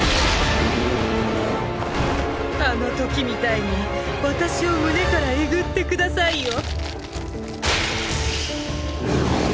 あの時みたいに私を胸から抉って下さいよ。